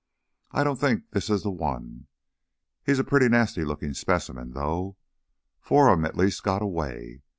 I don't think this is the one. He's a pretty nasty lookin' specimen, though. Four of 'em at least got away.